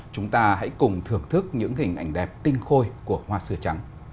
chúng ta hãy cùng thưởng thức những hình ảnh đẹp tinh khôi của hoa xưa trắng